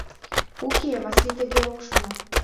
Уке, Васлий тыге ок шоно!